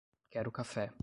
Quero café